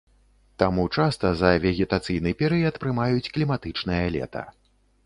Таму часта за вегетацыйны перыяд прымаюць кліматычнае лета.